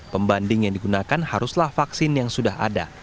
pembanding yang digunakan haruslah vaksin yang sudah ada